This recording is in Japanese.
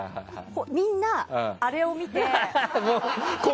みんな、あれを見て。